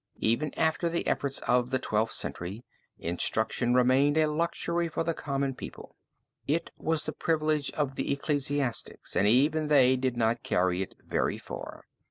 Even after the efforts of the Twelfth Century, instruction remained a luxury for the common people; it was the privilege of the ecclesiastics and even they did not carry it very far.